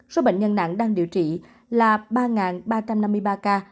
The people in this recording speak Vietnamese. số bệnh nhân nặng đang điều trị là ba ba trăm năm mươi ba ca